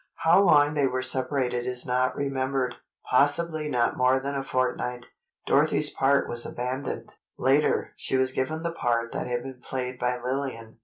How long they were separated is not remembered—possibly not more than a fortnight. Dorothy's part was abandoned. Later, she was given the part that had been played by Lillian.